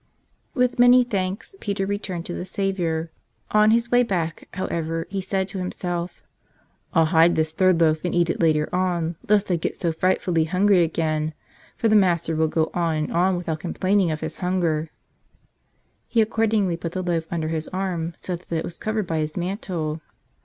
With many thanks, Peter returned to the Savior. On his way back, however, he said to himself, "I'll hide this third loaf and eat it later on, lest I get so frightfully hungry again; for the Master will go on and on without complaining of His hunger." He ac¬ cordingly put the loaf under his arm so that it was covered by his mantle.